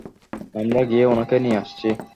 আমরা গিয়ে ওনাকে নিয়ে আসছি।